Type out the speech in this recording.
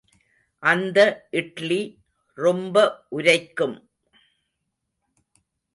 அந்த இட்லி ரொம்ப உரைக்கும்!